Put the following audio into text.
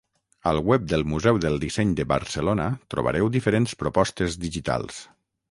Al web del Museu del Disseny de Barcelona trobareu diferents propostes digitals.